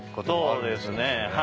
そうですね。